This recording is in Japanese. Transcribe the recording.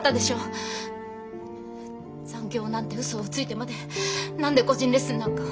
残業なんてうそをついてまで何で個人レッスンなんか。